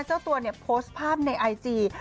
เจ้าตัวเนี่ยโพสต์ภาพในไอจี